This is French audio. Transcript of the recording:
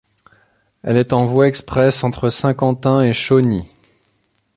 Elle est en voie express entre Saint-Quentin et Chauny.